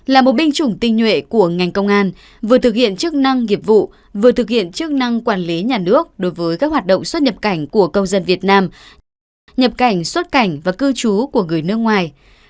là một binh chủng tinh nhuệ của ngành công an vừa thực hiện chức năng nghiệp vụ vừa thực hiện chức năng quản lý nhà nước đối với các hoạt động xuất nhập cảnh của công dân việt nam nhập cảnh xuất cảnh và cư trú của người nước ngoài